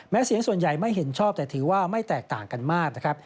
เสียงส่วนใหญ่ไม่เห็นชอบแต่ถือว่าไม่แตกต่างกันมากนะครับ